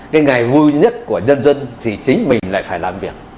cái ngày vui nhất của nhân dân thì chính mình lại phải làm việc